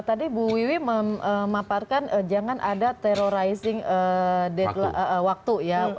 tadi bu wiwi memaparkan jangan ada terrorizing waktu ya